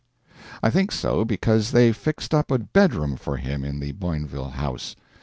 I think so because they fixed up a bedroom for him in the Boinville house.